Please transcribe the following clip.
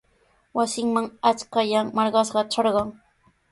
Wasinman ashkallan marqashqa trarqan.